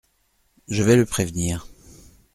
Je vais le prévenir…